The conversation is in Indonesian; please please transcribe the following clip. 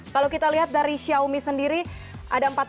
kalau kita lihat dari xiaomi sendiri ada empat